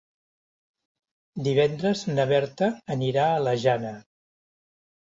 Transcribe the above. Divendres na Berta anirà a la Jana.